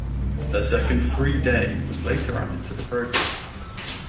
A second, free day was later added to the program.